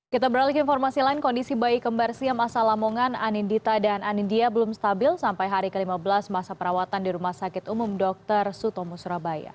kita beralih ke informasi lain kondisi bayi kembar siam asal lamongan anindita dan anindya belum stabil sampai hari ke lima belas masa perawatan di rumah sakit umum dr sutomo surabaya